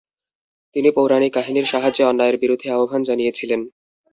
তিনি পৌরাণিক কাহিনীর সাহায্যে অন্যায়ের বিরুদ্ধে আহ্বান জানিয়েছিলেন।